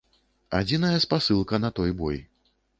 Адзіная спасылка на той бой.